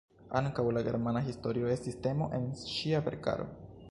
Ankaŭ la germana historio estis temo en ŝia verkaro.